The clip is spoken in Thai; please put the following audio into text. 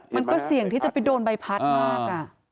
มันก็เสี่ยงที่จะไปโดนใบพัดมาก